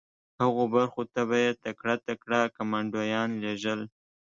هغو برخو ته به یې تکړه تکړه کمانډویان لېږل